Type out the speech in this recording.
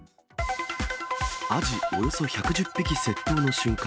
アジ、およそ１１０匹窃盗の瞬間。